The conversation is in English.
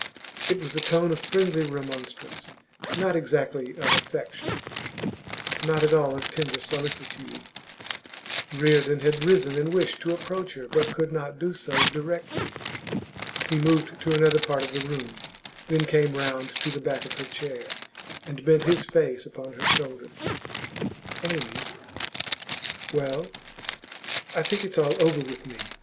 It was the tone of friendly remonstrance, not exactly of affection, not at all of tender solicitude. Reardon had risen and wished to approach her, but could not do so directly. He moved to another part of the room, then came round to the back of her chair, and bent his face upon her shoulder. 'Amy ' 'Well.' 'I think it's all over with me.